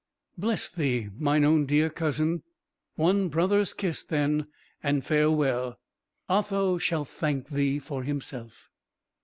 "Bless thee, mine own dear cousin! one brother's kiss then, and farewell! Otho shall thank thee for himself."